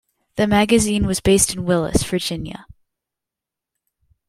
The magazine was based in Willis, Virginia.